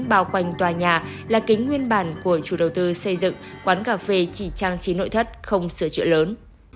bao quanh tòa nhà là kính nguyên bàn của chủ đầu tư xây dựng quán cà phê chỉ trang trí nội thất không sửa chữa lớn